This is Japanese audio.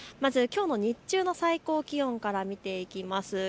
きょうの日中の最高気温から見ていきます。